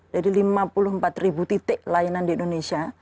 jadi lima puluh empat titik layanan di indonesia